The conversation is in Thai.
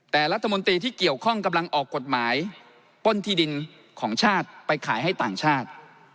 แต่รัฐมนตรีที่เกี่ยวข้องกำลังออกกฎหมายป้นที่ดินของชาติไปขายให้ต่างชาติ